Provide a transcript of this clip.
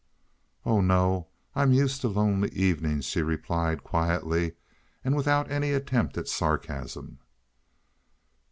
"Oh no; I'm used to lonely evenings," she replied, quietly and without any attempt at sarcasm.